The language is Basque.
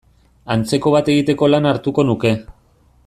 Antzeko bat egiteko lana hartuko nuke.